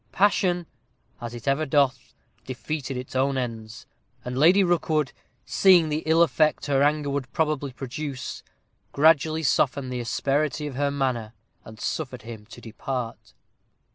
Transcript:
Passion, as it ever doth, defeated its own ends; and Lady Rookwood, seeing the ill effect her anger would probably produce, gradually softened the asperity of her manner, and suffered him to depart.